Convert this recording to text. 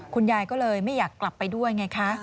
คุณยายก็เลยไม่อยากกลับไปด้วยไงคะ